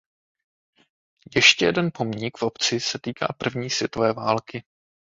Ještě jeden pomník v obci se týká první světové války.